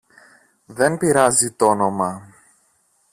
Δεν πειράζει τ' όνομα